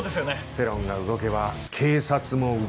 世論が動けば警察も動く。